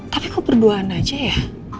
tapi kok berduaan aja ya